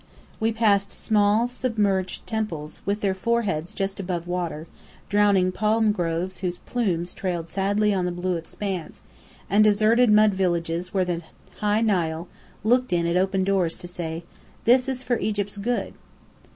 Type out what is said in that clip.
We passed small, submerged temples, with their foreheads just above water; drowning palm groves whose plumes trailed sadly on the blue expanse, and deserted mud villages where the high Nile looked in at open doors to say, "This is for Egypt's good!"